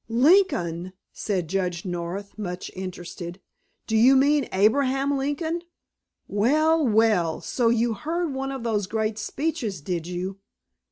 "Lincoln?" said Judge North, much interested. "Do you mean Abraham Lincoln? Well, well! So you heard one of those great speeches, did you?